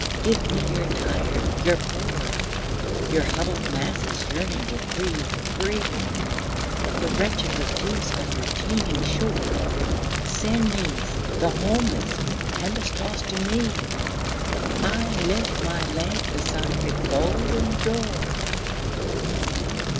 "Give me your tired, your poor, Your huddled masses yearning to be free, The wretched refuse of your teeming shore. Send these, the homeless, tempest tost to me, I lift my lamp beside the golden door!"